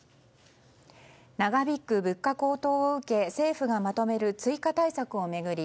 長引く物価高騰を受け政府がまとめる追加対策を巡り